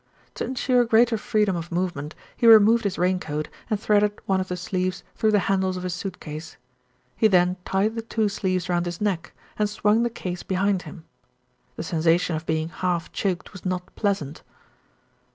To ensure greater freedom of movement, he re moved his rain coat and threaded one of the sleeves through the handle of his suit case. He then tied the two sleeves round his neck, and swung the case behind him. The sensation of being half choked was not pleasant.